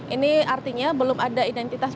ini artinya belum ada identitas